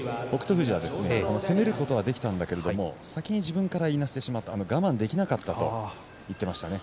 富士は攻めることはできたんだけれども先に自分からいなしてしまった我慢できなかったと言っていましたね。